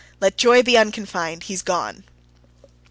Let joy be unconfined. He's gone.